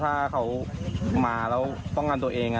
ถ้าเขามาแล้วป้องกันตัวเอง